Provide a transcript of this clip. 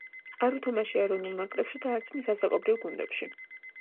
არ უთამაშია ეროვნულ ნაკრებში და არც მის ასაკობრივ გუნდებში.